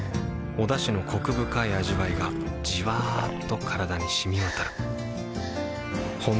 おだしのコク深い味わいがじわっと体に染み渡るはぁ。